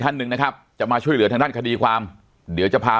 ท่านหนึ่งนะครับจะมาช่วยเหลือทางด้านคดีความเดี๋ยวจะพา